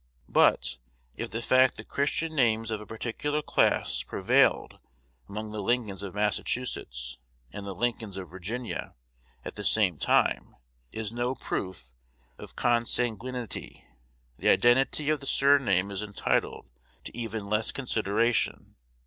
But, if the fact that Christian names of a particular class prevailed among the Lincolns of Massachusetts and the Lincolns of Virginia at the same time is no proof of consanguinity, the identity of the surname is entitled to even less consideration.